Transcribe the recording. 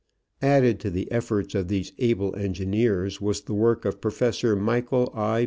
Added to the efforts of these able engineers was the work of Prof. Michael I.